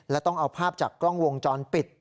และต้องเอาภาพจากกล้องวงจรปิด